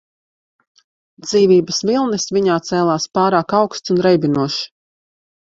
Dzīvības vilnis viņā cēlās pārāk augsts un reibinošs.